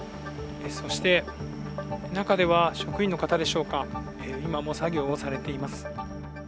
そして、中では職員の方でしょうか今も作業をされています。